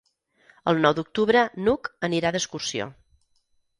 El nou d'octubre n'Hug anirà d'excursió.